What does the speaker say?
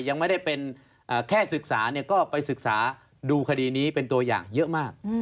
ยังไม่ได้เป็นแค่ศึกษาก็ไปศึกษาดูคดีนี้เป็นตัวอย่างเยอะมาก